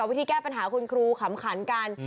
วิธีแก้ปัญหาคุณครูขำขันกัน